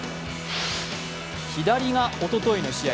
左がおとといの試合